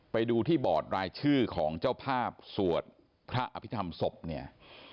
ไปดูที่บอร์ดรายชื่อของเจ้าภาพสวดพระอภิษฐรรมศพเนี่ย